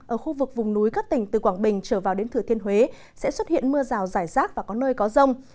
ở khu vực vùng núi các tỉnh từ quảng bình trở vào đến thừa thiên huế sẽ xuất hiện mưa rào rải rác và có nơi có rông